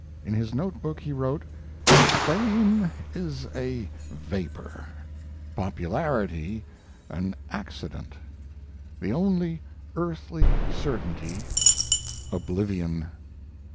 In his notebook he wrote, "Fame is a vapor, popularity an accident; the only, earthly certainty oblivion."